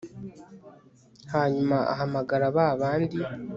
hanyuma ahamagara ba bandi